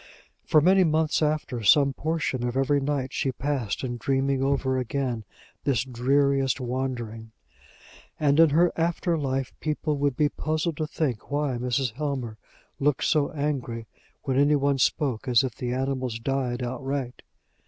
For many months after, some portion of every night she passed in dreaming over again this dreariest wandering; and in her after life people would be puzzled to think why Mrs. Helmer looked so angry when any one spoke as if the animals died outright.